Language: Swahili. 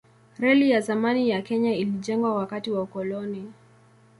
Reli ya zamani ya Kenya ilijengwa wakati wa ukoloni.